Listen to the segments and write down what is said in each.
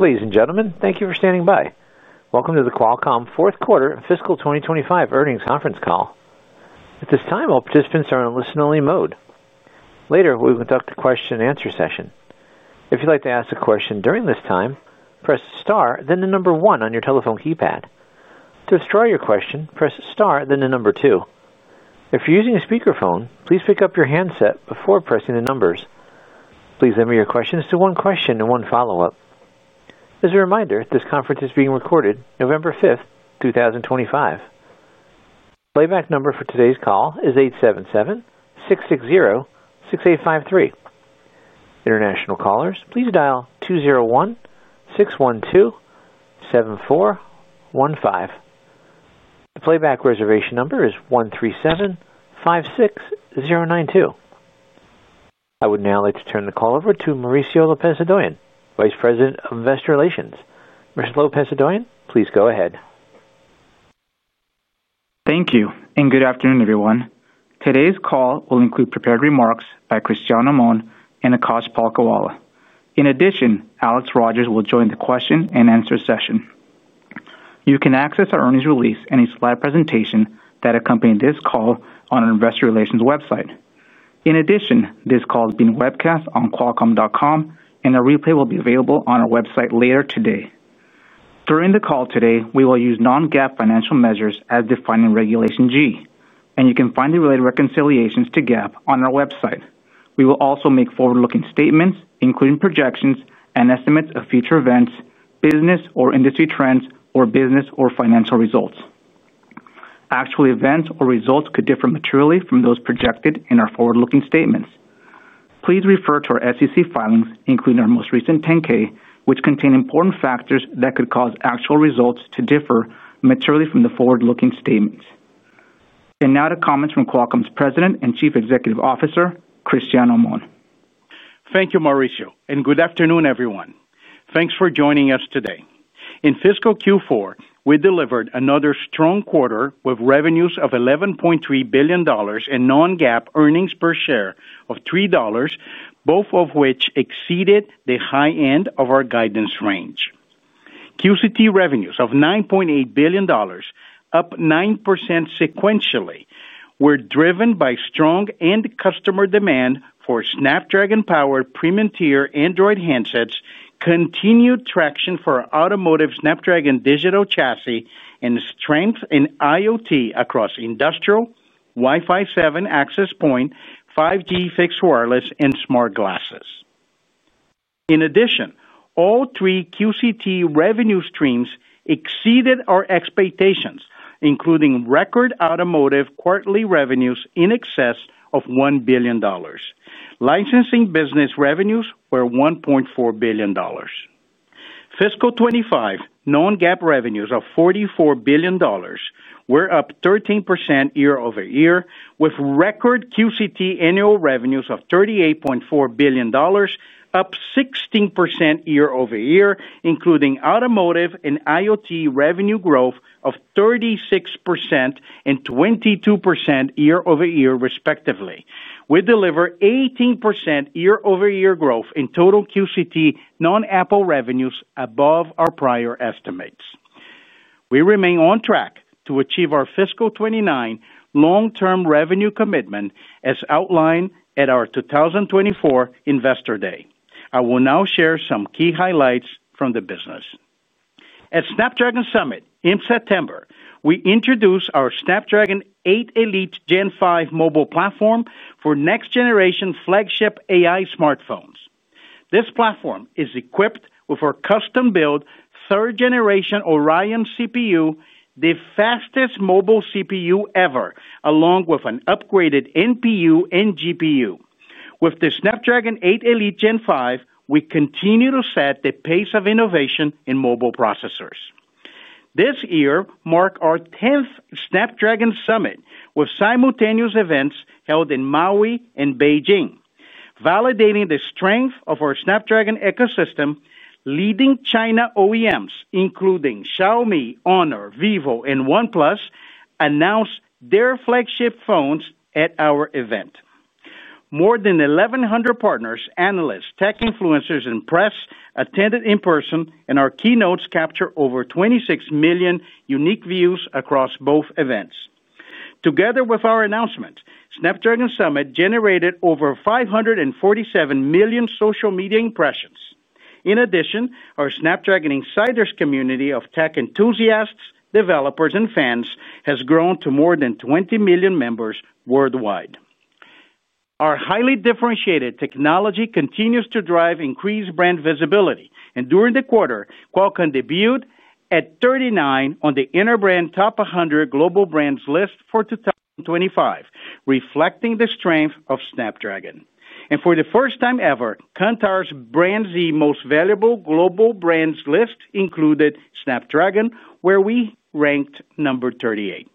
Ladies and gentlemen, thank you for standing by. Welcome to the Qualcomm fourth quarter fiscal 2025 earnings conference call. At this time, all participants are in listen-only mode. Later, we will conduct a question-and-answer session. If you'd like to ask a question during this time, press Star then the number one on your telephone keypad. To destroy your question, press Star then the number two. If you're using a speakerphone, please pick up your handset before pressing the numbers. Please limit your questions to one question and one follow-up. As a reminder, this conference is being recorded November 5th, 2025. Playback number for today's call is 877-660-6853. International callers, please dial 201-612-7415. The playback reservation number is 137-56092. I would now like to turn the call over to Mauricio Lopez-Hodoyan, Vice President of Investor Relations. Mr. Lopez-Hodoyan, please go ahead. Thank you, and good afternoon, everyone. Today's call will include prepared remarks by Cristiano Amon and Akash Palkhiwala. In addition, Alex Rogers will join the question-and-answer session. You can access our earnings release and a slide presentation that accompanied this call on our Investor Relations website. In addition, this call is being webcast on Qualcomm dot com, and a replay will be available on our website later today. During the call today, we will use Non-GAAP financial measures as defined in Regulation G, and you can find the related reconciliations to GAAP on our website. We will also make forward-looking statements, including projections and estimates of future events, business or industry trends, or business or financial results. Actual events or results could differ materially from those projected in our forward-looking statements. Please refer to our SEC filings, including our most recent 10-K, which contain important factors that could cause actual results to differ materially from the forward-looking statements. Now to comments from Qualcomm's President and Chief Executive Officer, Cristiano Amon. Thank you, Mauricio, and good afternoon, everyone. Thanks for joining us today. In Fiscal Q4, we delivered another strong quarter with revenues of $11.3 billion and Non-GAAP earnings per share of $3. Both of which exceeded the high end of our guidance range. QCT revenues of $9.8 billion, up 9% sequentially, were driven by strong end customer demand for Snapdragon-powered premium-tier Android handsets, continued traction for automotive Snapdragon digital chassis, and strength in IoT across industrial, Wi-Fi 7 access point, 5G fixed wireless, and smart glasses. In addition, all three QCT revenue streams exceeded our expectations, including record automotive quarterly revenues in excess of $1 billion. Licensing business revenues were $1.4 billion. Fiscal 2025 Non-GAAP revenues of $44 billion were up 13% year-over-year, with record QCT annual revenues of $38.4 billion. Up 16% year-over-year, including automotive and IoT revenue growth of 36% and 22% year-over-year, respectively. We deliver 18% year-over-year growth in total QCT non-APL revenues above our prior estimates. We remain on track to achieve our Fiscal 2029 long-term revenue commitment as outlined at our 2024 Investor Day. I will now share some key highlights from the business. At Snapdragon Summit in September, we introduced our Snapdragon 8 Elite Gen 5 mobile platform for next-generation flagship AI smartphones. This platform is equipped with our custom-built third-generation Orion CPU, the fastest mobile CPU ever, along with an upgraded NPU and GPU. With the Snapdragon 8 Elite Gen 5, we continue to set the pace of innovation in mobile processors. This year marked our 10th Snapdragon Summit with simultaneous events held in Maui and Beijing. Validating the strength of our Snapdragon ecosystem, leading China OEMs, including Xiaomi, Honor, Vivo, and OnePlus, announced their flagship phones at our event. More than 1,100 partners, analysts, tech influencers, and press attended in person, and our keynotes captured over 26 million unique views across both events. Together with our announcement, Snapdragon Summit generated over 547 million social media impressions. In addition, our Snapdragon Insiders community of tech enthusiasts, developers, and fans has grown to more than 20 million members worldwide. Our highly differentiated technology continues to drive increased brand visibility, and during the quarter, Qualcomm debuted at 39 on the Interbrand Top 100 Global Brands list for 2025, reflecting the strength of Snapdragon. For the first time ever, Kantar's BrandZ Most Valuable Global Brands list included Snapdragon, where we ranked number 38.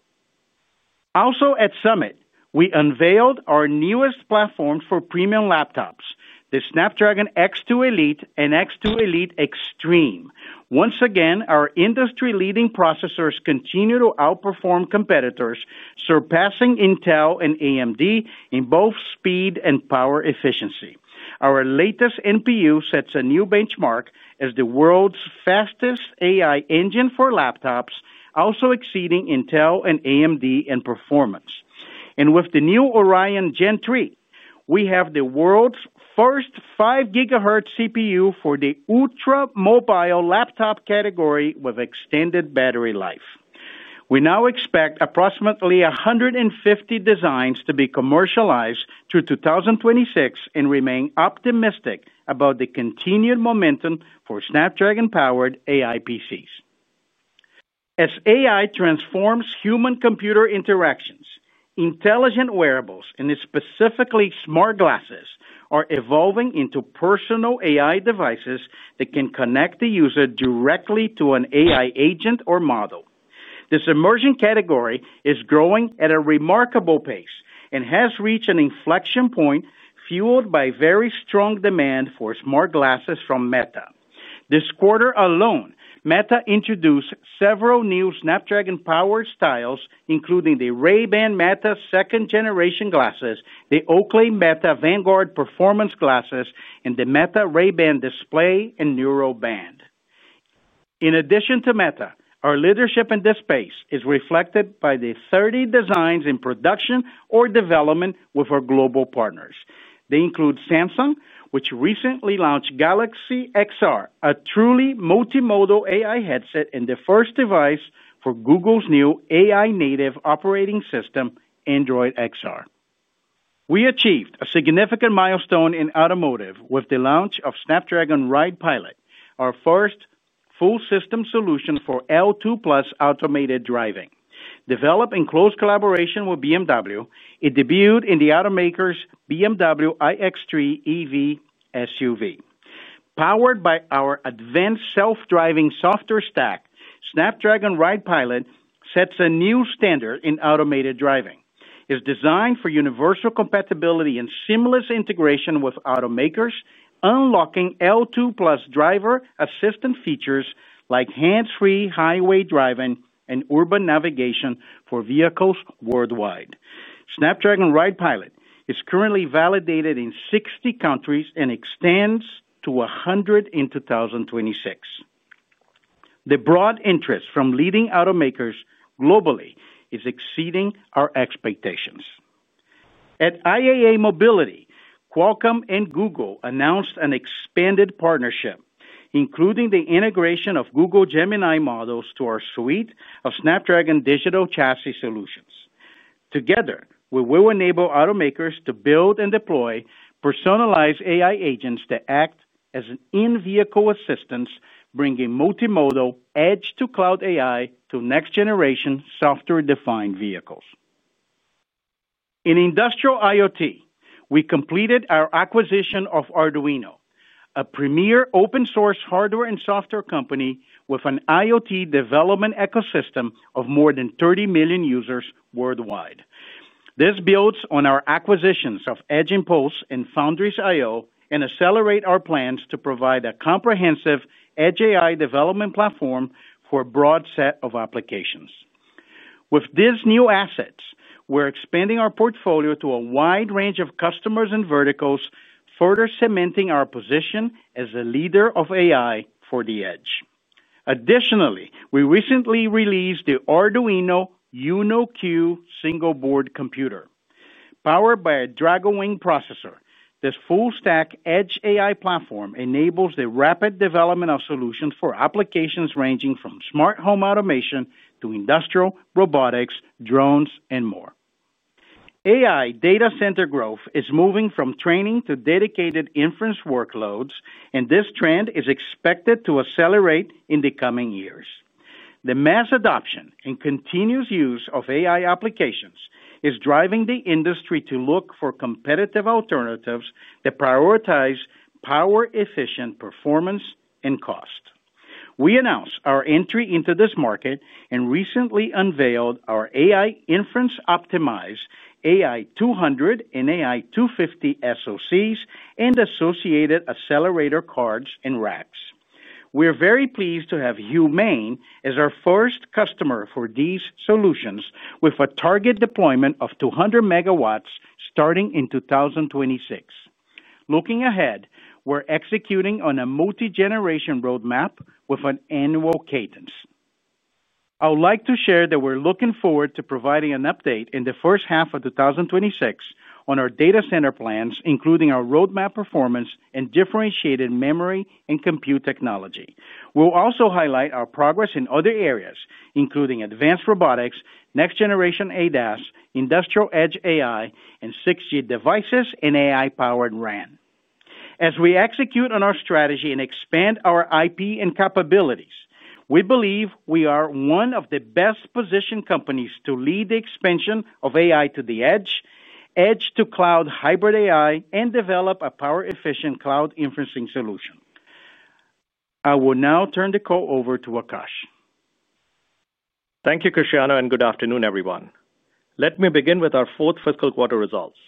Also, at Summit, we unveiled our newest platforms for premium laptops, the Snapdragon X2 Elite and X2 Elite Extreme. Once again, our industry-leading processors continue to outperform competitors, surpassing Intel and AMD in both speed and power efficiency. Our latest NPU sets a new benchmark as the world's fastest AI engine for laptops, also exceeding Intel and AMD in performance. With the new Orion Gen 3, we have the world's first 5 GHz CPU for the ultra-mobile laptop category with extended battery life. We now expect approximately 150 designs to be commercialized through 2026 and remain optimistic about the continued momentum for Snapdragon-powered AI PCs. As AI transforms human-computer interactions, intelligent wearables, and specifically smart glasses are evolving into personal AI devices that can connect the user directly to an AI agent or model. This emerging category is growing at a remarkable pace and has reached an inflection point fueled by very strong demand for smart glasses from Meta. This quarter alone, Meta introduced several new Snapdragon-powered styles, including the Ray-Ban Meta Second Generation Glasses, the Oakley Meta Vanguard Performance Glasses, and the Meta Ray-Ban Display and Neuro Band. In addition to Meta, our leadership in this space is reflected by the 30 designs in production or development with our global partners. They include Samsung, which recently launched Galaxy XR, a truly multimodal AI headset and the first device for Google's new AI-native operating system, Android XR. We achieved a significant milestone in automotive with the launch of Snapdragon RidePilot, our first full-system solution for L2+ automated driving. Developed in close collaboration with BMW, it debuted in the automaker's BMW iX3 EV SUV. Powered by our advanced self-driving software stack, Snapdragon RidePilot sets a new standard in automated driving. It is designed for universal compatibility and seamless integration with automakers, unlocking L2+ driver-assistant features like hands-free highway driving and urban navigation for vehicles worldwide. Snapdragon RidePilot is currently validated in 60 countries and extends to 100 in 2026. The broad interest from leading automakers globally is exceeding our expectations. At IAA Mobility, Qualcomm and Google announced an expanded partnership, including the integration of Google Gemini models to our suite of Snapdragon digital chassis solutions. Together, we will enable automakers to build and deploy personalized AI agents that act as an in-vehicle assistance, bringing multimodal edge-to-cloud AI to next-generation software-defined vehicles. In industrial IoT, we completed our acquisition of Arduino, a premier open-source hardware and software company with an IoT development ecosystem of more than 30 million users worldwide. This builds on our acquisitions of Edge Impulse and Foundry.io and accelerates our plans to provide a comprehensive edge AI development platform for a broad set of applications. With these new assets, we're expanding our portfolio to a wide range of customers and verticals, further cementing our position as a leader of AI for the edge. Additionally, we recently released the Arduino Uno Q single-board computer. Powered by a Dragonwing processor, this full-stack edge AI platform enables the rapid development of solutions for applications ranging from smart home automation to industrial robotics, drones, and more. AI data center growth is moving from training to dedicated inference workloads, and this trend is expected to accelerate in the coming years. The mass adoption and continuous use of AI applications is driving the industry to look for competitive alternatives that prioritize power-efficient performance and cost. We announced our entry into this market and recently unveiled our AI inference-optimized AI200 and AI250 SoCs and associated accelerator cards and racks. We're very pleased to have Humane as our first customer for these solutions, with a target deployment of 200 MW starting in 2026. Looking ahead, we're executing on a multi-generation roadmap with an annual cadence. I would like to share that we're looking forward to providing an update in the first half of 2026 on our data center plans, including our roadmap performance and differentiated memory and compute technology. We'll also highlight our progress in other areas, including advanced robotics, next-generation ADAS, industrial edge AI, and 6G devices and AI-powered RAN. As we execute on our strategy and expand our IP and capabilities, we believe we are one of the best-positioned companies to lead the expansion of AI to the edge, edge-to-cloud hybrid AI, and develop a power-efficient cloud inferencing solution. I will now turn the call over to Akash. Thank you, Cristiano, and good afternoon, everyone. Let me begin with our fourth fiscal quarter results.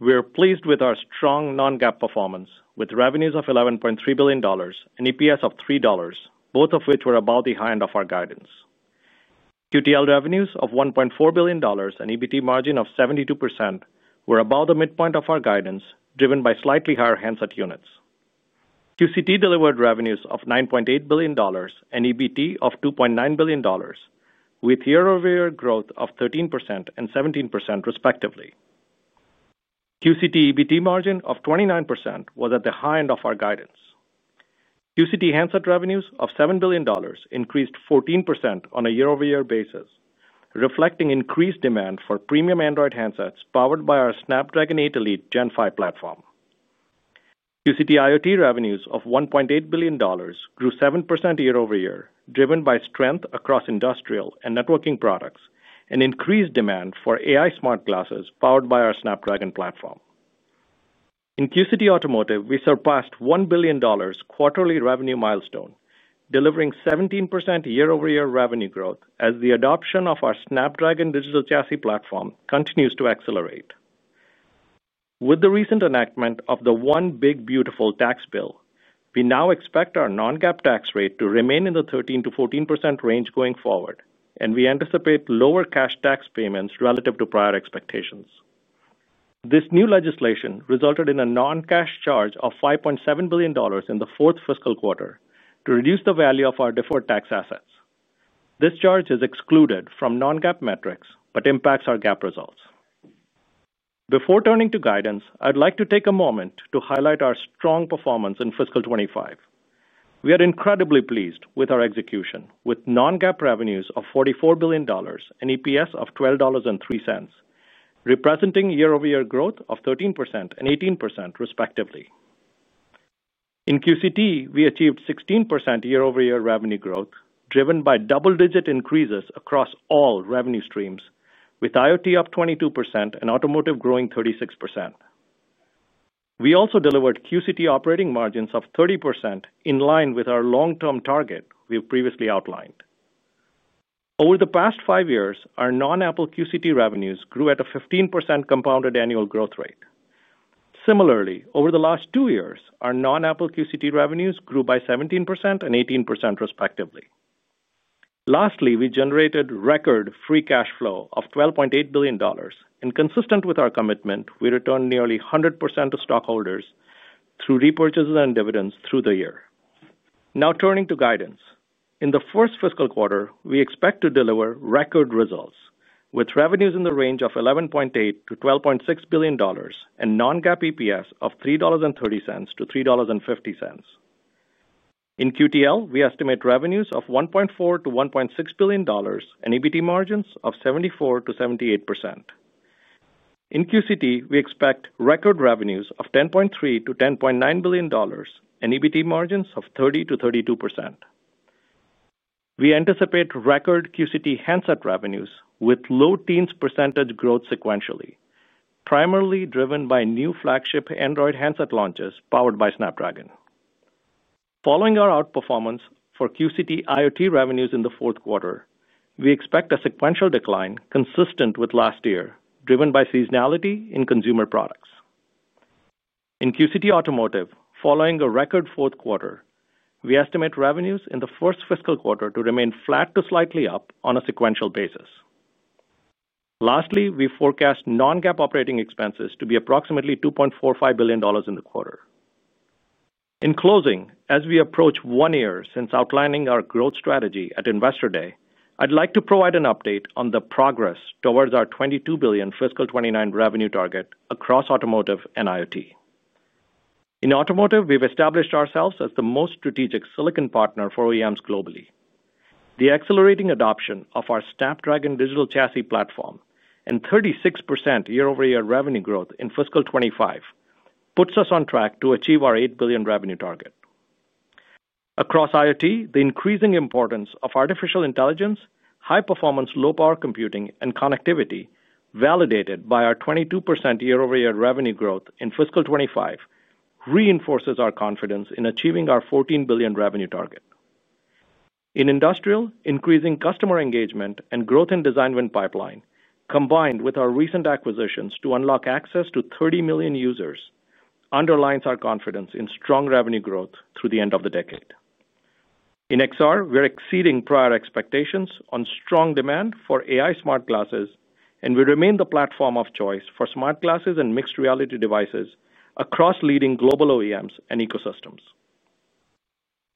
We're pleased with our strong Non-GAAP performance, with revenues of $11.3 billion and EPS of $3, both of which were about the high end of our guidance. QTL revenues of $1.4 billion and EBT margin of 72% were about the midpoint of our guidance, driven by slightly higher handset units. QCT delivered revenues of $9.8 billion and EBT of $2.9 billion, with year-over-year growth of 13% and 17%, respectively. QCT EBT margin of 29% was at the high end of our guidance. QCT handset revenues of $7 billion increased 14% on a year-over-year basis, reflecting increased demand for premium Android handsets powered by our Snapdragon 8 Elite Gen 5 platform. QCT IoT revenues of $1.8 billion grew 7% year-over-year, driven by strength across industrial and networking products and increased demand for AI smart glasses powered by our Snapdragon platform. In QCT Automotive, we surpassed $1 billion quarterly revenue milestone, delivering 17% year-over-year revenue growth as the adoption of our Snapdragon digital chassis platform continues to accelerate. With the recent enactment of the One Big Beautiful tax bill, we now expect our Non-GAAP tax rate to remain in the 13%-14% range going forward, and we anticipate lower cash tax payments relative to prior expectations. This new legislation resulted in a non-cash charge of $5.7 billion in the fourth fiscal quarter to reduce the value of our deferred tax assets. This charge is excluded from Non-GAAP metrics but impacts our GAAP results. Before turning to guidance, I'd like to take a moment to highlight our strong performance in fiscal 2025. We are incredibly pleased with our execution, with Non-GAAP revenues of $44 billion and EPS of $12.03, representing year-over-year growth of 13% and 18%, respectively. In QCT, we achieved 16% year-over-year revenue growth, driven by double-digit increases across all revenue streams, with IoT up 22% and automotive growing 36%. We also delivered QCT operating margins of 30% in line with our long-term target we've previously outlined. Over the past five years, our non-Apple QCT revenues grew at a 15% compounded annual growth rate. Similarly, over the last two years, our non-Apple QCT revenues grew by 17% and 18%, respectively. Lastly, we generated record free cash flow of $12.8 billion, and consistent with our commitment, we returned nearly 100% to stockholders through repurchases and dividends through the year. Now turning to guidance, in the first fiscal quarter, we expect to deliver record results, with revenues in the range of $11.8 billion-$12.6 billion and Non-GAAP EPS of $3.30-$3.50. In QTL, we estimate revenues of $1.4 billion-$1.6 billion and EBT margins of 74%-78%. In QCT, we expect record revenues of $10.3 billion-$10.9 billion and EBT margins of 30%-32%. We anticipate record QCT handset revenues with low teens percentage growth sequentially, primarily driven by new flagship Android handset launches powered by Snapdragon. Following our outperformance for QCT IoT revenues in the fourth quarter, we expect a sequential decline consistent with last year, driven by seasonality in consumer products. In QCT Automotive, following a record fourth quarter, we estimate revenues in the first fiscal quarter to remain flat to slightly up on a sequential basis. Lastly, we forecast Non-GAAP operating expenses to be approximately $2.45 billion in the quarter. In closing, as we approach one year since outlining our growth strategy at Investor Day, I'd like to provide an update on the progress towards our $22 billion fiscal 2029 revenue target across automotive and IoT. In automotive, we've established ourselves as the most strategic silicon partner for OEMs globally. The accelerating adoption of our Snapdragon digital chassis platform and 36% year-over-year revenue growth in fiscal 2025 puts us on track to achieve our $8 billion revenue target. Across IoT, the increasing importance of artificial intelligence, high-performance low-power computing, and connectivity, validated by our 22% year-over-year revenue growth in fiscal 2025, reinforces our confidence in achieving our $14 billion revenue target. In industrial, increasing customer engagement and growth in design win pipeline, combined with our recent acquisitions to unlock access to 30 million users, underlines our confidence in strong revenue growth through the end of the decade. In XR, we're exceeding prior expectations on strong demand for AI smart glasses, and we remain the platform of choice for smart glasses and mixed reality devices across leading global OEMs and ecosystems.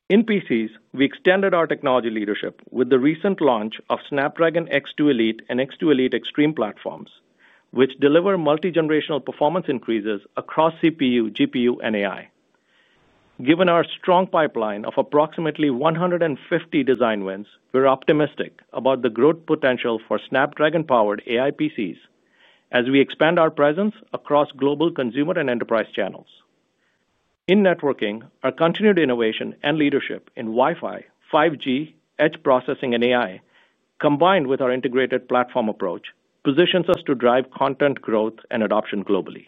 In PCs, we extended our technology leadership with the recent launch of Snapdragon X2 Elite and X2 Elite Extreme platforms, which deliver multi-generational performance increases across CPU, GPU, and AI. Given our strong pipeline of approximately 150 design wins, we're optimistic about the growth potential for Snapdragon-powered AI PCs as we expand our presence across global consumer and enterprise channels. In networking, our continued innovation and leadership in Wi-Fi, 5G, edge processing, and AI, combined with our integrated platform approach, positions us to drive content growth and adoption globally.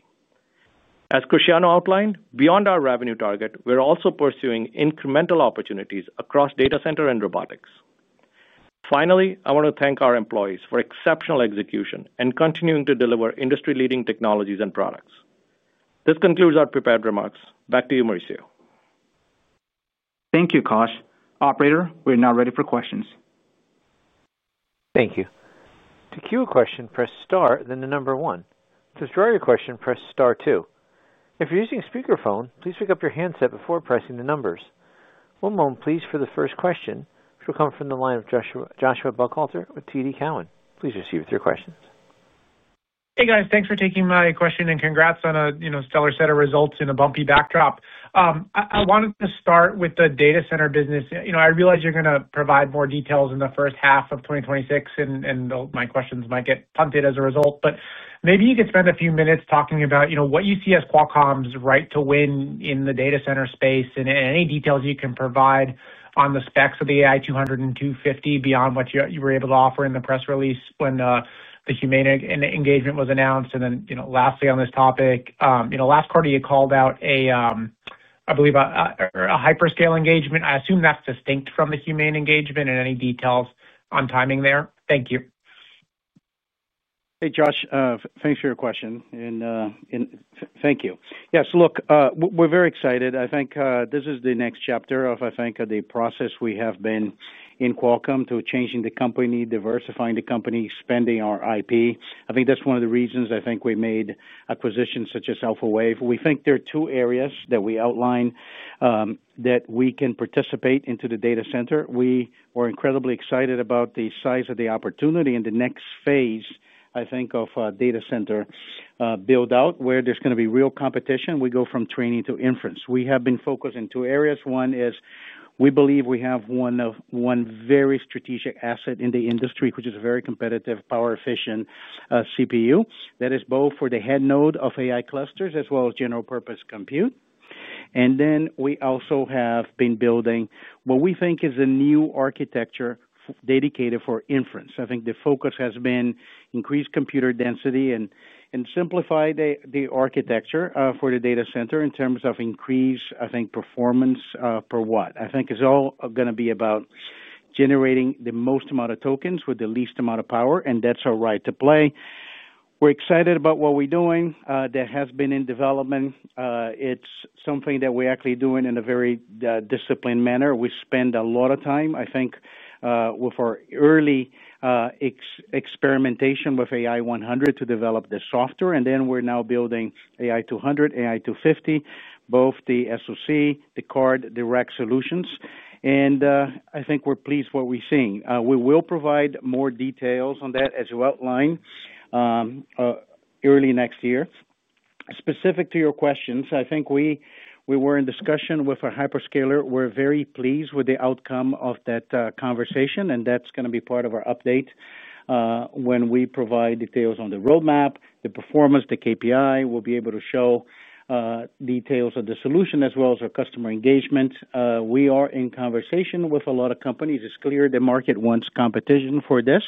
As Cristiano outlined, beyond our revenue target, we're also pursuing incremental opportunities across data center and robotics. Finally, I want to thank our employees for exceptional execution and continuing to deliver industry-leading technologies and products. This concludes our prepared remarks. Back to you, Mauricio. Thank you, Akash. Operator, we're now ready for questions. Thank you. To cue a question, press star then the number one. To throw your question, press star two. If you're using a speakerphone, please pick up your handset before pressing the numbers. One moment, please, for the first question, which will come from the line of Joshua Buchalter with TD Cowen. Please proceed with your questions. Hey, guys. Thanks for taking my question and congrats on a stellar set of results in a bumpy backdrop. I wanted to start with the data center business. I realize you're going to provide more details in the first half of 2026, and my questions might get punted as a result. Maybe you could spend a few minutes talking about what you see as Qualcomm's right to win in the data center space and any details you can provide on the specs of the AI200 and 250 beyond what you were able to offer in the press release when the Humane engagement was announced. Lastly, on this topic, last quarter, you called out, I believe, a hyperscale engagement. I assume that's distinct from the Humane engagement and any details on timing there. Thank you. Hey, Josh. Thanks for your question. Thank you. Yes, look, we're very excited. I think this is the next chapter of, I think, the process we have been in Qualcomm to changing the company, diversifying the company, spending our IP. I think that's one of the reasons I think we made acquisitions such as AlphaWave. We think there are two areas that we outlined that we can participate in the data center. We were incredibly excited about the size of the opportunity in the next phase, I think, of data center build-out where there's going to be real competition. We go from training to inference. We have been focused in two areas. One is we believe we have one very strategic asset in the industry, which is a very competitive, power-efficient CPU that is both for the head node of AI clusters as well as general-purpose compute. We also have been building what we think is a new architecture dedicated for inference. The focus has been increased compute density and simplified the architecture for the data center in terms of increased performance per watt. It's all going to be about generating the most amount of tokens with the least amount of power, and that's our right to play. We're excited about what we're doing that has been in development. It's something that we're actually doing in a very disciplined manner. We spend a lot of time with our early experimentation with AI100 to develop the software. We're now building AI200, AI250, both the SoC, the card, the rack solutions. We're pleased with what we're seeing. We will provide more details on that, as you outlined, early next year. Specific to your questions, I think we were in discussion with our hyperscaler. We're very pleased with the outcome of that conversation, and that's going to be part of our update. When we provide details on the roadmap, the performance, the KPI, we'll be able to show details of the solution as well as our customer engagement. We are in conversation with a lot of companies. It's clear the market wants competition for this.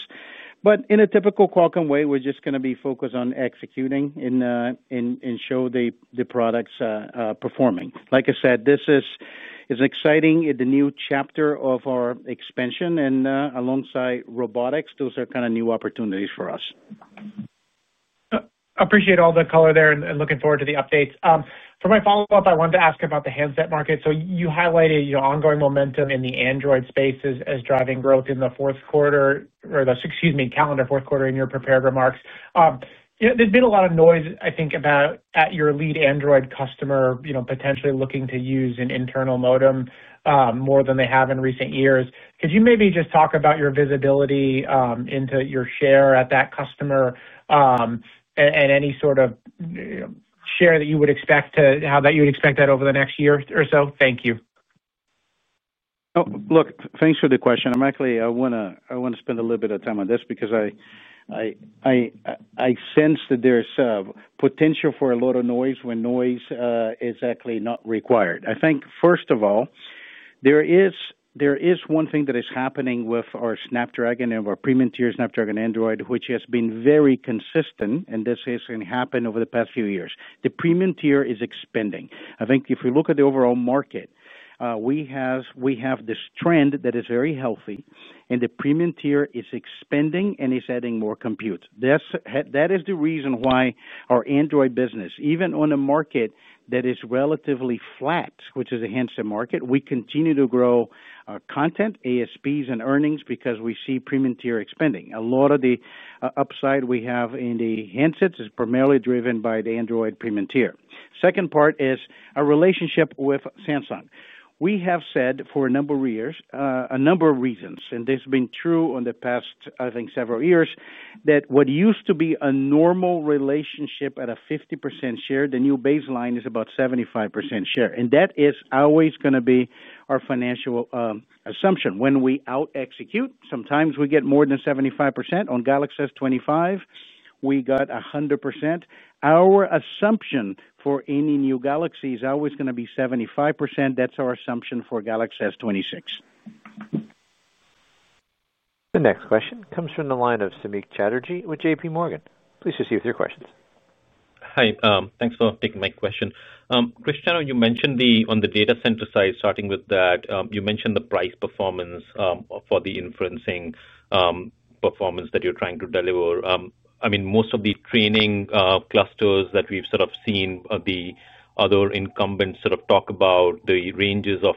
In a typical Qualcomm way, we're just going to be focused on executing and show the products performing. Like I said, this is exciting. It's a new chapter of our expansion, and alongside robotics, those are kind of new opportunities for us. I appreciate all the color there and looking forward to the updates. For my follow-up, I wanted to ask about the handset market. You highlighted your ongoing momentum in the Android space as driving growth in the fourth quarter or the, excuse me, calendar fourth quarter in your prepared remarks. There's been a lot of noise, I think, about your lead Android customer potentially looking to use an internal modem more than they have in recent years. Could you maybe just talk about your visibility into your share at that customer, and any sort of share that you would expect, how you would expect that over the next year or so? Thank you. Look, thanks for the question. I actually want to spend a little bit of time on this because I sense that there's potential for a lot of noise when noise is actually not required. I think, first of all, there is one thing that is happening with our Snapdragon and our premium tier Snapdragon Android, which has been very consistent, and this has happened over the past few years. The premium tier is expanding. I think if we look at the overall market, we have this trend that is very healthy, and the premium tier is expanding and is adding more compute. That is the reason why our Android business, even on a market that is relatively flat, which is a handset market, we continue to grow our content, ASPs, and earnings because we see premium tier expanding. A lot of the upside we have in the handsets is primarily driven by the Android premium tier. Second part is our relationship with Samsung. We have said for a number of years, a number of reasons, and this has been true in the past, I think, several years, that what used to be a normal relationship at a 50% share, the new baseline is about 75% share. That is always going to be our financial assumption. When we out-execute, sometimes we get more than 75%. On Galaxy S25, we got 100%. Our assumption for any new Galaxy is always going to be 75%. That is our assumption for Galaxy S26. The next question comes from the line of Samik Chatterjee with J.P. Morgan. Please proceed with your questions. Hi. Thanks for taking my question. Cristiano, you mentioned on the data center side, starting with that, you mentioned the price performance for the inferencing. Performance that you're trying to deliver. I mean, most of the training clusters that we've sort of seen the other incumbents sort of talk about, the ranges of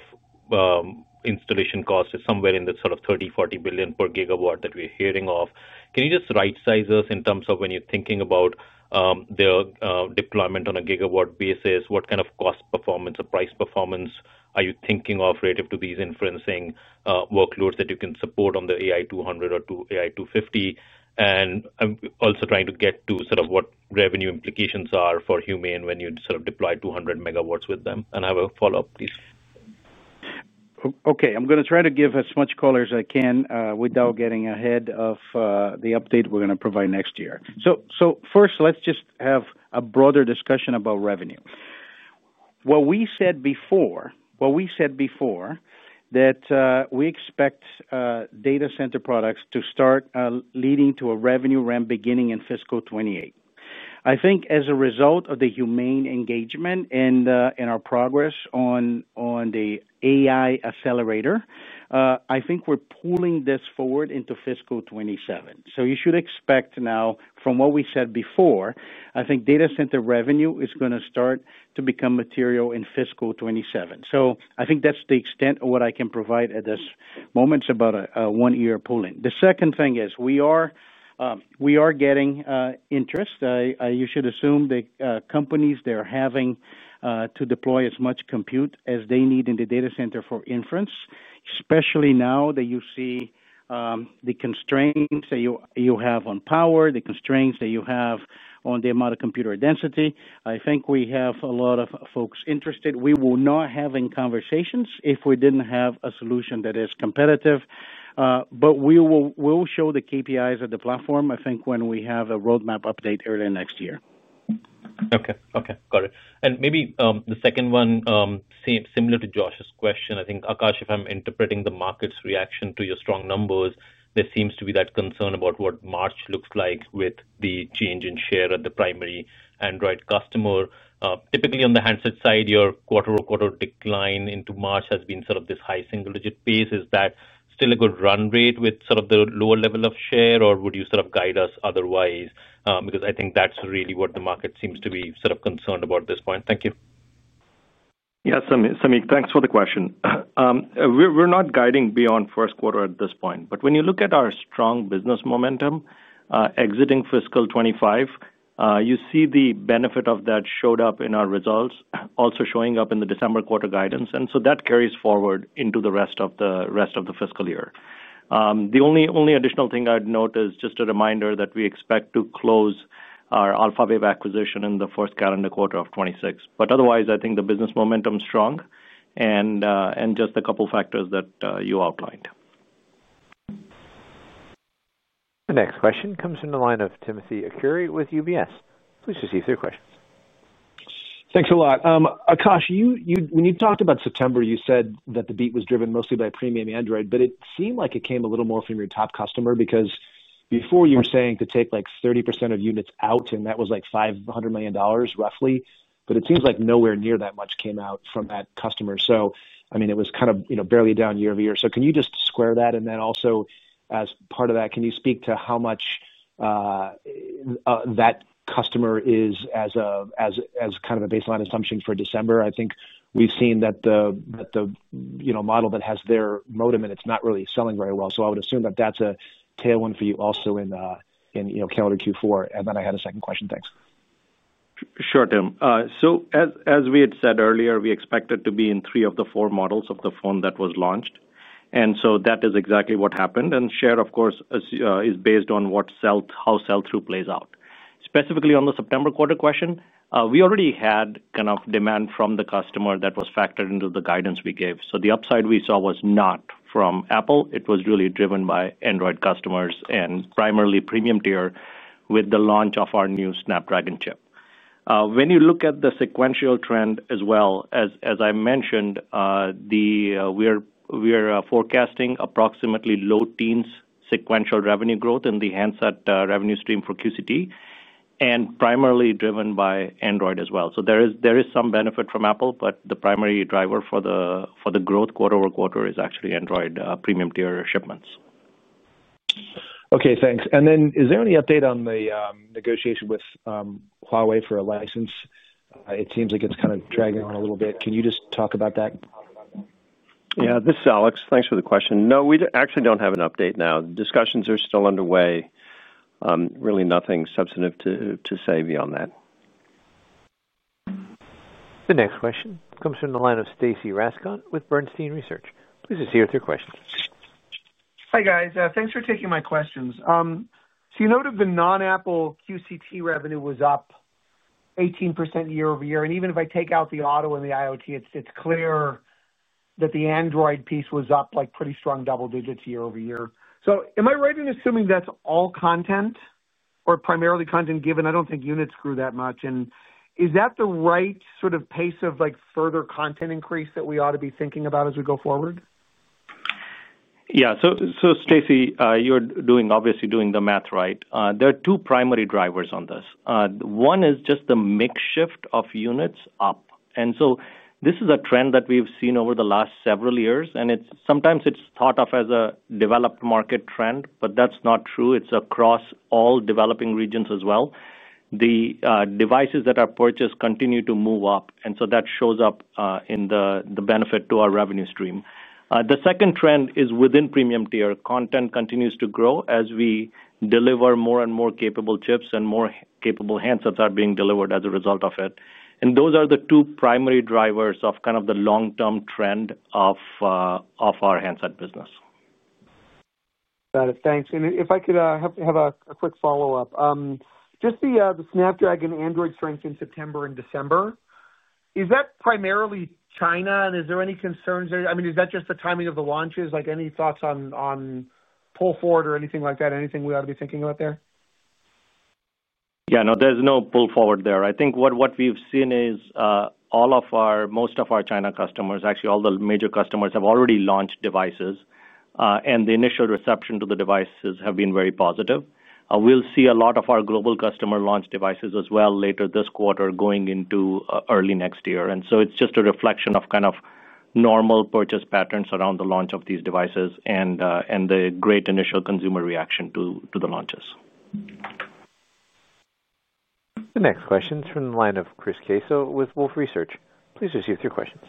installation cost is somewhere in the sort of $30 billion-$40 billion per gigawatt that we're hearing of. Can you just right-size us in terms of when you're thinking about the deployment on a gigawatt basis? What kind of cost performance or price performance are you thinking of relative to these inferencing workloads that you can support on the AI200 or AI250? Also trying to get to sort of what revenue implications are for Humane when you sort of deploy 200 MW with them. I have a follow-up, please. Okay. I'm going to try to give as much color as I can without getting ahead of the update we're going to provide next year. First, let's just have a broader discussion about revenue. What we said before, that we expect data center products to start leading to a revenue ramp beginning in fiscal 2028. I think as a result of the Humane engagement and our progress on the AI accelerator, I think we're pulling this forward into fiscal 2027. You should expect now, from what we said before, I think data center revenue is going to start to become material in fiscal 2027. I think that's the extent of what I can provide at this moment. It's about a one-year pulling. The second thing is we are getting interest. You should assume the companies that are having to deploy as much compute as they need in the data center for inference, especially now that you see the constraints that you have on power, the constraints that you have on the amount of compute density. I think we have a lot of folks interested. We will not have conversations if we did not have a solution that is competitive. We will show the KPIs of the platform, I think, when we have a roadmap update early next year. Okay. Okay. Got it. Maybe the second one. Similar to Josh's question, I think, Akash, if I'm interpreting the market's reaction to your strong numbers, there seems to be that concern about what March looks like with the change in share of the primary Android customer. Typically, on the handset side, your quarter-over-quarter decline into March has been sort of this high single-digit pace. Is that still a good run rate with sort of the lower level of share, or would you sort of guide us otherwise? I think that's really what the market seems to be sort of concerned about at this point. Thank you. Yes, Samik, thanks for the question. We're not guiding beyond first quarter at this point. When you look at our strong business momentum exiting fiscal 2025, you see the benefit of that showed up in our results, also showing up in the December quarter guidance. That carries forward into the rest of the fiscal year. The only additional thing I'd note is just a reminder that we expect to close our AlphaWave acquisition in the first calendar quarter of 2026. Otherwise, I think the business momentum is strong and just a couple of factors that you outlined. The next question comes from the line of Timothy Arcuri with UBS. Please proceed with your questions. Thanks a lot. Akash, when you talked about September, you said that the beat was driven mostly by premium Android, but it seemed like it came a little more from your top customer because before you were saying to take like 30% of units out, and that was like $500 million, roughly. It seems like nowhere near that much came out from that customer. I mean, it was kind of barely down year-over-year. Can you just square that? Also, as part of that, can you speak to how much that customer is as kind of a baseline assumption for December? I think we've seen that the model that has their modem and it's not really selling very well. I would assume that that's a tailwind for you also in calendar Q4. I had a second question. Thanks. Sure, Tim. As we had said earlier, we expected to be in three of the four models of the phone that was launched. That is exactly what happened. Share, of course, is based on how sell-through plays out. Specifically, on the September quarter question, we already had kind of demand from the customer that was factored into the guidance we gave. The upside we saw was not from Apple. It was really driven by Android customers and primarily premium tier with the launch of our new Snapdragon chip. When you look at the sequential trend as well, as I mentioned, we're forecasting approximately low teens sequential revenue growth in the handset revenue stream for QCT and primarily driven by Android as well. There is some benefit from Apple, but the primary driver for the growth quarter-over-quarter is actually Android premium tier shipments. Okay. Thanks. Is there any update on the negotiation with Huawei for a license? It seems like it's kind of dragging on a little bit. Can you just talk about that? Yeah. This is Alex. Thanks for the question. No, we actually do not have an update now. Discussions are still underway. Really nothing substantive to say beyond that. The next question comes from the line of Stacy Rasgon with Bernstein Research. Please proceed with your questions. Hi, guys. Thanks for taking my questions. You noted the non-Apple QCT revenue was up 18% year-over-year. Even if I take out the auto and the IoT, it is clear that the Android piece was up like pretty strong double digits year-over-year. Am I right in assuming that is all content or primarily content given I do not think units grew that much? Is that the right sort of pace of further content increase that we ought to be thinking about as we go forward? Yeah. Stacy, you're obviously doing the math right. There are two primary drivers on this. One is just the mix shift of units up. This is a trend that we've seen over the last several years. Sometimes it's thought of as a developed market trend, but that's not true. It's across all developing regions as well. The devices that are purchased continue to move up. That shows up in the benefit to our revenue stream. The second trend is within premium tier. Content continues to grow as we deliver more and more capable chips and more capable handsets are being delivered as a result of it. Those are the two primary drivers of the long-term trend of our handset business. Got it. Thanks. If I could have a quick follow-up. Just the Snapdragon Android strength in September and December. Is that primarily China? Is there any concerns there? I mean, is that just the timing of the launches? Any thoughts on pull forward or anything like that? Anything we ought to be thinking about there? Yeah. No, there's no pull forward there. I think what we've seen is most of our China customers, actually all the major customers, have already launched devices. The initial reception to the devices has been very positive. We'll see a lot of our global customers launch devices as well later this quarter going into early next year. It is just a reflection of kind of normal purchase patterns around the launch of these devices and the great initial consumer reaction to the launches. The next question is from the line of Chris Caso with Wolfe Research. Please proceed with your questions.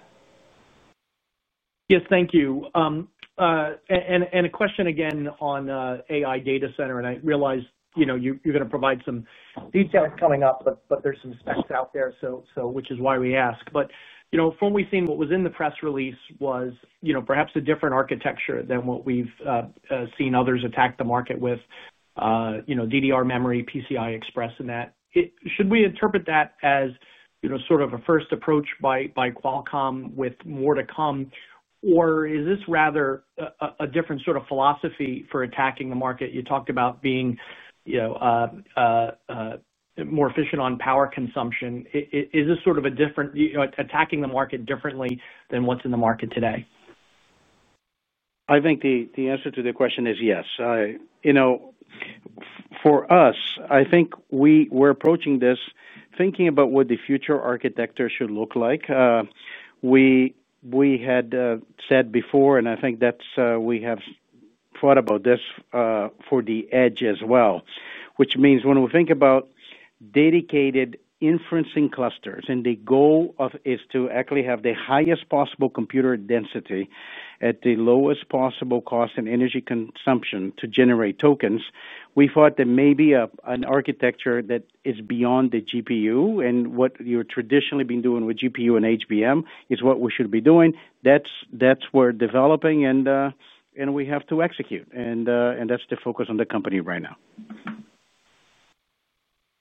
Yes, thank you. A question again on AI data center. I realize you're going to provide some details coming up, but there's some specs out there, which is why we ask. From what we've seen, what was in the press release was perhaps a different architecture than what we've seen others attack the market with. DDR memory, PCI Express, and that. Should we interpret that as sort of a first approach by Qualcomm with more to come? Or is this rather a different sort of philosophy for attacking the market? You talked about being more efficient on power consumption. Is this sort of attacking the market differently than what's in the market today? I think the answer to the question is yes. For us, I think we're approaching this thinking about what the future architecture should look like. We had said before, and I think we have thought about this for the edge as well, which means when we think about dedicated inferencing clusters, and the goal is to actually have the highest possible compute density at the lowest possible cost and energy consumption to generate tokens, we thought that maybe an architecture that is beyond the GPU and what you've traditionally been doing with GPU and HBM is what we should be doing. That's where developing and we have to execute. That's the focus on the company right now.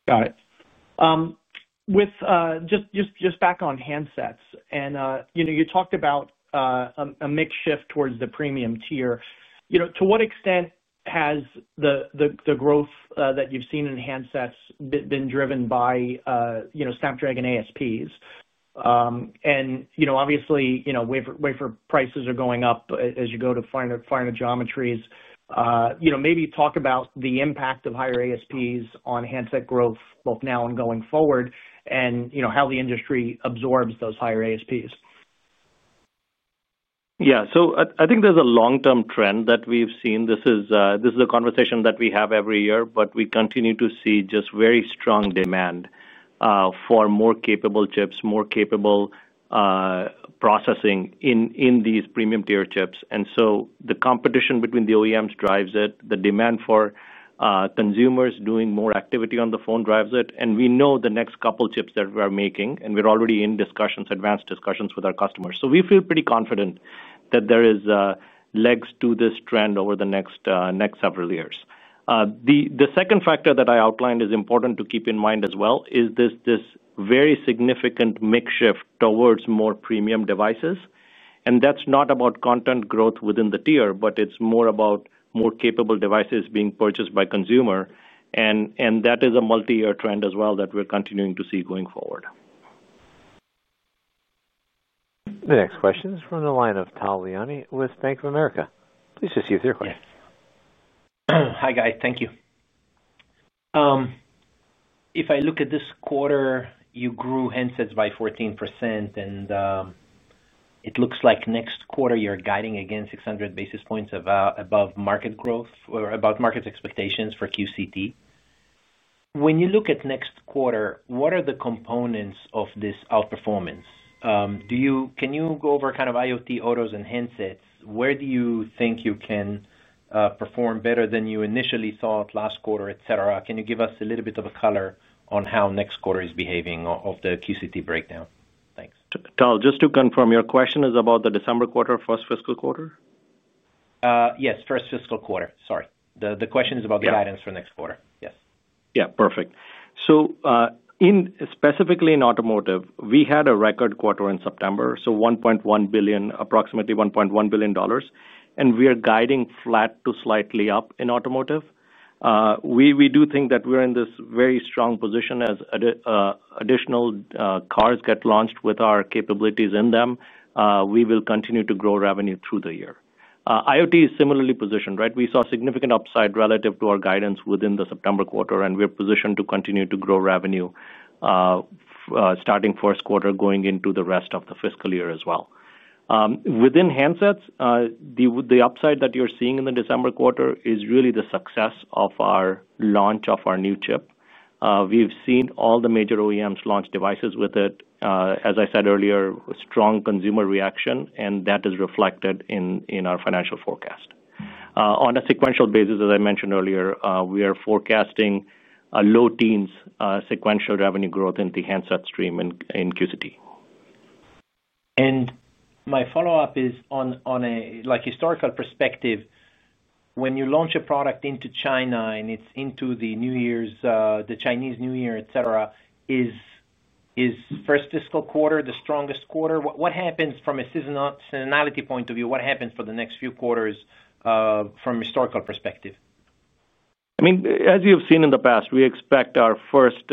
Got it. Just back on handsets, and you talked about a mix shift towards the premium tier. To what extent has the growth that you've seen in handsets been driven by Snapdragon ASPs? And obviously, wafer prices are going up as you go to finer geometries. Maybe talk about the impact of higher ASPs on handset growth, both now and going forward, and how the industry absorbs those higher ASPs. Yeah. I think there's a long-term trend that we've seen. This is a conversation that we have every year, but we continue to see just very strong demand for more capable chips, more capable processing in these premium tier chips. The competition between the OEMs drives it. The demand for consumers doing more activity on the phone drives it. We know the next couple of chips that we are making, and we're already in advanced discussions with our customers. We feel pretty confident that there are legs to this trend over the next several years. The second factor that I outlined is important to keep in mind as well. This very significant mix shift towards more premium devices is not about content growth within the tier, but it's more about more capable devices being purchased by consumers. That is a multi-year trend as well that we're continuing to see going forward. The next question is from the line of Tal Liani with Bank of America. Please proceed with your question. Hi, guys. Thank you. If I look at this quarter, you grew handsets by 14%. It looks like next quarter, you're guiding again 600 basis points above market growth or about market expectations for QCT. When you look at next quarter, what are the components of this outperformance? Can you go over kind of IoT, autos, and handsets? Where do you think you can perform better than you initially thought last quarter, etc.? Can you give us a little bit of a color on how next quarter is behaving of the QCT breakdown? Thanks. Tal, just to confirm, your question is about the December quarter, first fiscal quarter? Yes, first fiscal quarter. Sorry. The question is about the guidance for next quarter. Yes. Yeah. Perfect. Specifically in automotive, we had a record quarter in September, so approximately $1.1 billion. We are guiding flat to slightly up in automotive. We do think that we're in this very strong position as additional cars get launched with our capabilities in them, we will continue to grow revenue through the year. IoT is similarly positioned, right? We saw significant upside relative to our guidance within the September quarter, and we're positioned to continue to grow revenue. Starting first quarter, going into the rest of the fiscal year as well. Within handsets, the upside that you're seeing in the December quarter is really the success of our launch of our new chip. We've seen all the major OEMs launch devices with it. As I said earlier, strong consumer reaction, and that is reflected in our financial forecast. On a sequential basis, as I mentioned earlier, we are forecasting low teens sequential revenue growth in the handset stream in QCT. My follow-up is on a historical perspective. When you launch a product into China and it's into the Chinese New Year, is first fiscal quarter the strongest quarter? From a seasonality point of view, what happens for the next few quarters from a historical perspective? I mean, as you've seen in the past, we expect our first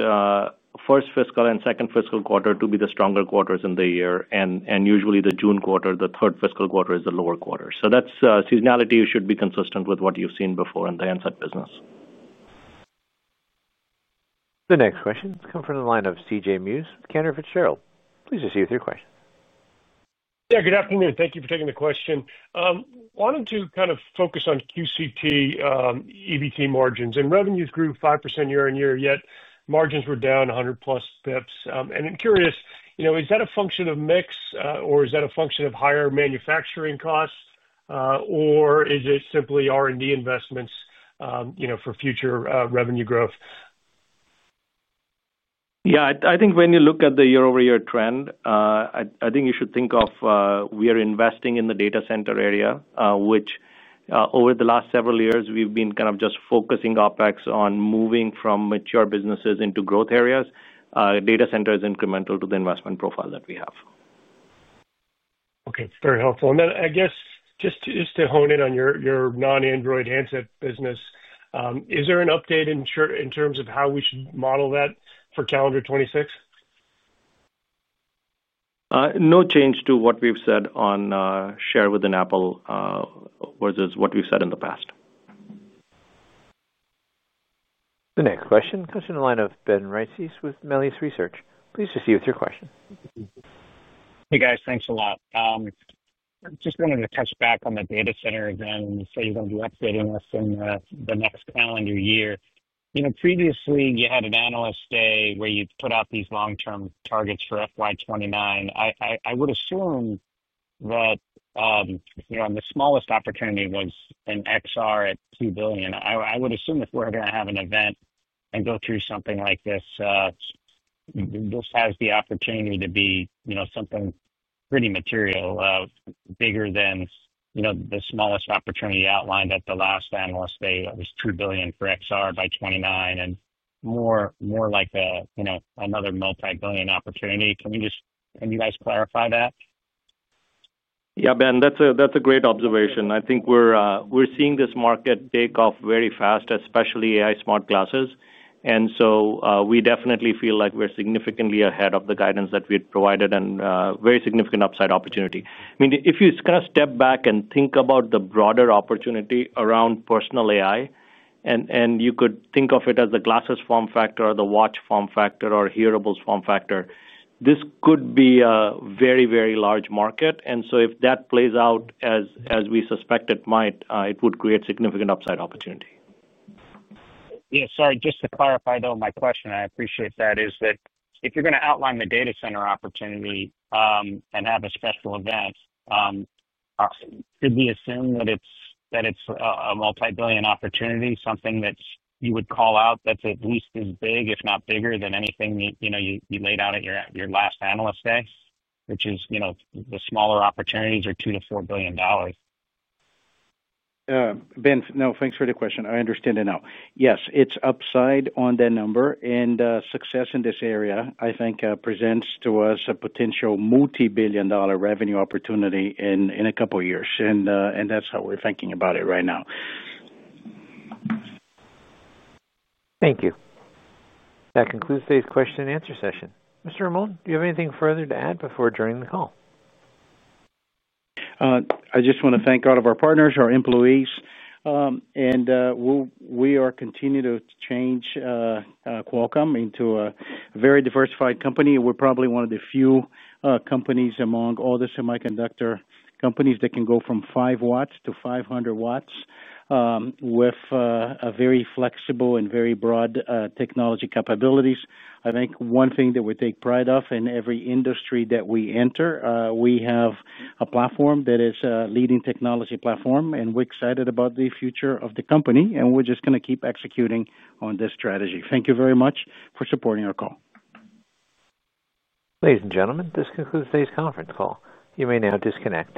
fiscal and second fiscal quarter to be the stronger quarters in the year. Usually, the June quarter, the third fiscal quarter, is the lower quarter. That seasonality should be consistent with what you've seen before in the handset business. The next question has come from the line of CJ Muse with Cantor Fitzgerald. Please proceed with your question. Yeah. Good afternoon. Thank you for taking the question. Wanted to kind of focus on QCT. EBT margins. And revenues grew 5% year-on-year, yet margins were down 100+ basis points. And I'm curious, is that a function of mix, or is that a function of higher manufacturing costs. Or is it simply R&D investments for future revenue growth? Yeah. I think when you look at the year-over-year trend, I think you should think of we are investing in the data center area, which, over the last several years, we've been kind of just focusing OpEx on moving from mature businesses into growth areas. Data center is incremental to the investment profile that we have. Okay. It's very helpful. I guess just to hone in on your non-Android handset business. Is there an update in terms of how we should model that for calendar 2026? No change to what we've said on share within Apple versus what we've said in the past. The next question comes from the line of Ben Reitzes with Melius Research. Please proceed with your question. Hey, guys. Thanks a lot. I just wanted to touch back on the data center again. So you're going to be updating us in the next calendar year. Previously, you had an analyst day where you put out these long-term targets for 2029. I would assume that the smallest opportunity was in XR at $2 billion. I would assume if we're going to have an event and go through something like this, this has the opportunity to be something pretty material, bigger than the smallest opportunity outlined at the last analyst day. It was $2 billion for XR by 2029 and more like another multi-billion opportunity. Can you guys clarify that? Yeah, Ben, that's a great observation. I think we're seeing this market take off very fast, especially AI smart glasses. We definitely feel like we're significantly ahead of the guidance that we had provided and very significant upside opportunity. I mean, if you kind of step back and think about the broader opportunity around personal AI, and you could think of it as the glasses form factor or the watch form factor or hearables form factor, this could be a very, very large market. If that plays out as we suspect it might, it would create significant upside opportunity. Yeah. Sorry. Just to clarify, though, my question, and I appreciate that, is that if you're going to outline the data center opportunity and have a special event. Could we assume that it's a multi-billion opportunity, something that you would call out that's at least as big, if not bigger, than anything you laid out at your last analyst day, which is the smaller opportunities are $2 billion-$4 billion? Ben, no, thanks for the question. I understand it now. Yes, it's upside on that number. Success in this area, I think, presents to us a potential multi-billion dollar revenue opportunity in a couple of years. That's how we're thinking about it right now. Thank you. That concludes today's question-and-answer session. Mr. Amon, do you have anything further to add before joining the call? I just want to thank all of our partners, our employees. We are continuing to change Qualcomm into a very diversified company. We are probably one of the few companies among all the semiconductor companies that can go from 5 W to 500 W with very flexible and very broad technology capabilities. I think one thing that we take pride of in every industry that we enter, we have a platform that is a leading technology platform. We are excited about the future of the company. We are just going to keep executing on this strategy. Thank you very much for supporting our call. Ladies and gentlemen, this concludes today's conference call. You may now disconnect.